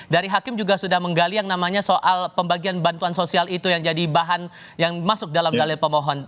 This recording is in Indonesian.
dari hakim juga sudah menggali yang namanya soal pembagian bantuan sosial itu yang jadi bahan yang masuk dalam dalil pemohon